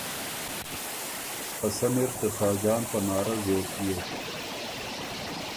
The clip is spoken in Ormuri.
خه سن اِر ته ساجان پناره زوک بیوک